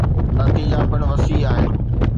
نتيجا پڻ وسيع آهن